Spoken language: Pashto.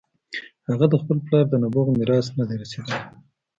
هغه د خپل پلار د نبوغ میراث نه دی رسېدلی.